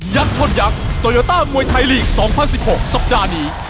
ยักษ์ชนยักษ์โตยาต้ามวยไทยลีกสองพันสิบหกสัปดาห์นี้